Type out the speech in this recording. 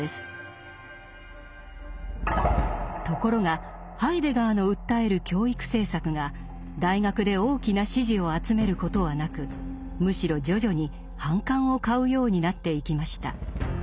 ところがハイデガーの訴える教育政策が大学で大きな支持を集めることはなくむしろ徐々に反感を買うようになっていきました。